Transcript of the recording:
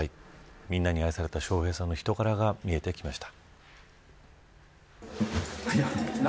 みんなに愛された笑瓶さんの人柄が見えてきました。